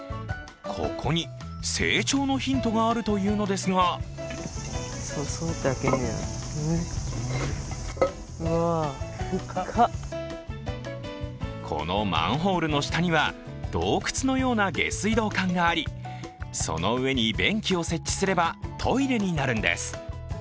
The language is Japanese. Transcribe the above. ここに成長のヒントがあるというのですがこのマンホールの下には、洞窟のような下水道管があり、その上に便器を設置すればトイレになるんです。